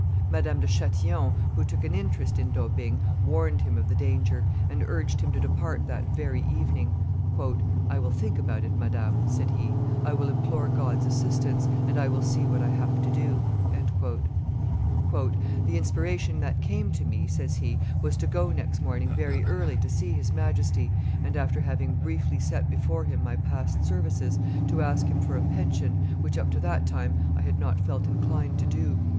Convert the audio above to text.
Madame de Chatillon, who took an interest in D'Aubigne, warned him of the danger, and urged him to depart that very evening. "I will think about it, madame," said he; "I will implore God's assistance, and I will see what I have to do." ... "The inspiration that came to me," says he, "was to go next morning very early to see his Majesty, and, after having briefly set before him my past services, to ask him for a pension, which up to that time I had not felt inclined to do.